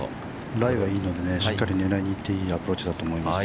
◆ライはいいのでしっかり狙いに行っていいアプローチだと思います。